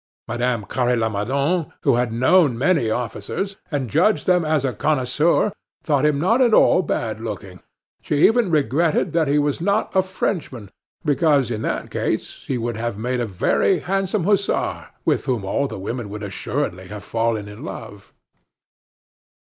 Madame Carre Lamadon, who had known many officers and judged them as a connoisseur, thought him not at all bad looking; she even regretted that he was not a Frenchman, because in that case he would have made a very handsome hussar, with whom all the women would assuredly have fallen in love.